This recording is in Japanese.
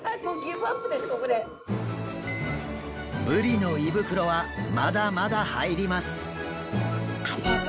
ブリの胃袋はまだまだ入ります！